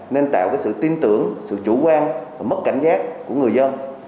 nên tạo sự tin tưởng sự chủ quan và mất cảnh giác của người dân